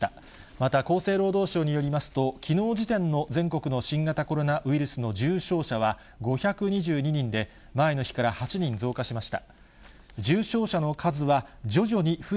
また厚生労働省によりますと、きのう時点の全国の新型コロナウイルスの重症者は５２２人で、前の日から８人増加しました。